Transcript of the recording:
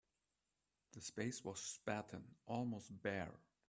The space was spartan, almost bare.